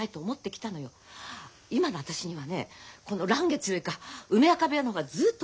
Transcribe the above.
今の私にはねこの嵐月よりか梅若部屋の方がずっと大事なの。